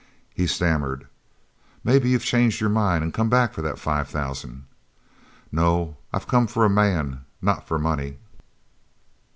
He stammered: "Maybe you've changed your mind an' come back for that five thousand?" "No, I've come for a man, not for money."